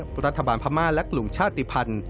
ประธับาลภามาติและกลุ่มชาติภัณฑ์